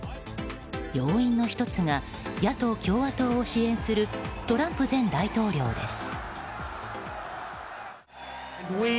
要因の１つが野党・共和党を支援するトランプ前大統領です。